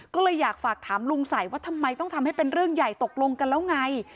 ก็เลยอยากฝากถามลุงสัยว่าทำไมต้องทำให้เป็นเรื่องใหญ่ตกลงกันแล้วไง